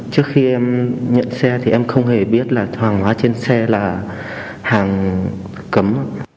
trước khi em nhận xe thì em không hề biết là thoảng hóa trên xe là hàng cấm